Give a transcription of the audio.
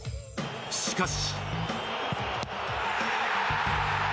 しかし。